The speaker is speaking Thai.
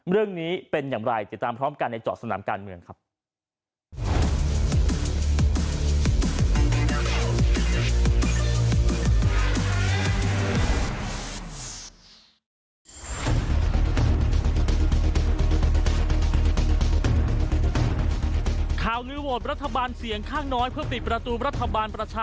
เรื่องนี้เป็นอย่างไรติดตามพร้อมกันในเจาะสนามการเมืองครับ